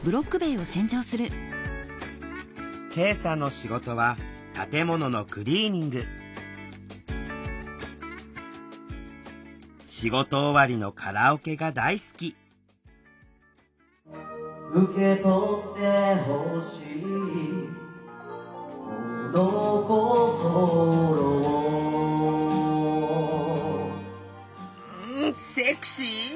恵さんの仕事は建物のクリーニング仕事終わりのカラオケが大好き受け取って欲しいこの心をうんセクシー！